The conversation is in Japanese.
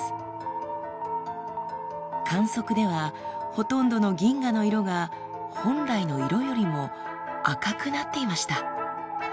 観測ではほとんどの銀河の色が本来の色よりも赤くなっていました。